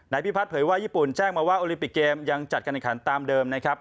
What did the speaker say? นายพี่พัทรเผยว่าญี่ปุ่นแจ้งมาว่าโอลิปิกเกมยังจัดการการตามเดิมนะครับ